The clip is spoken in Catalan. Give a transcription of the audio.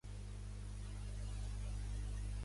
Stewart va néixer a Quincy, Illinois.